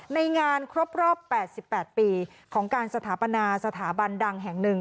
ในงานครบรอบ๘๘ปีของการสถาปนาสถาบันดังแห่งหนึ่ง